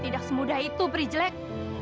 tidak semudah itu brie jelek